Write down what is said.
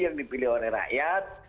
yang dipilih oleh rakyat